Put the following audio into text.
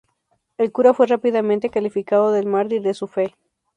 El cura fue rápidamente calificado de mártir de su fe.